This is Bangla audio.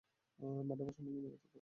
ম্যাডামের সম্পূর্ণ নীরবতা দরকার।